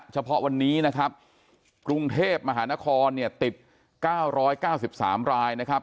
เฉพาะวันนี้นะครับกรุงเทพมหานครเนี่ยติด๙๙๓รายนะครับ